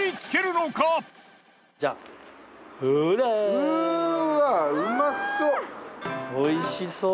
うわうまそう！